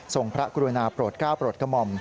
ทรงพระกุรุณาโปรดก้าวโปรดกม่อม